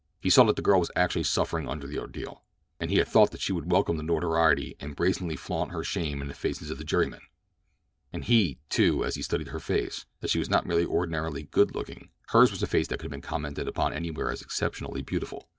He saw that the girl was actually suffering under the ordeal; and he had thought that she would welcome the notoriety and brazenly flaunt her shame in the faces of the jurymen! And he saw, too, as he studied her face, that she was not merely ordinarily good looking—hers was a face that would have been commented upon anywhere as exceptionally beautiful.